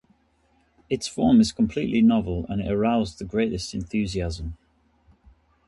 Its form is completely novel and it aroused the greatest enthusiasm.